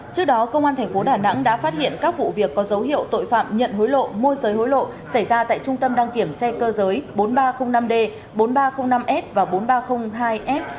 trước đó công an tp đà nẵng đã phát hiện các vụ việc có dấu hiệu tội phạm nhận hối lộ môi giới hối lộ xảy ra tại trung tâm đăng kiểm xe cơ giới bốn nghìn ba trăm linh năm d bốn nghìn ba trăm linh năm s và bốn nghìn ba trăm linh hai f